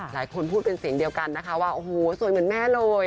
หลายคนพูดเป็นเสียงเดียวกันนะคะว่าโอ้โหสวยเหมือนแม่เลย